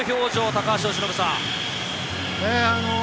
高橋由伸さん。